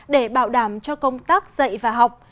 để bảo đảm cho công tác dạy và học